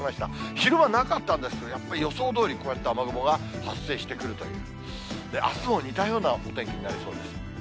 昼間はなかったんですが、やっぱり予想どおり、こうやって雨雲は発生してくるという、あすも似たようなお天気になりそうです。